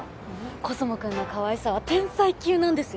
コスモくんのかわいさは天才級なんですよ？